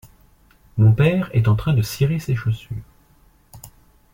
Mon père est en train de cirer ses chaussures.